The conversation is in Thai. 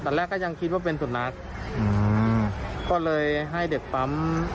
แรกก็ยังคิดว่าเป็นสุนัขอืมก็เลยให้เด็กปั๊ม